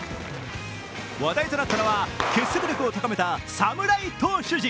話題となったのは結束力を高めた侍投手陣。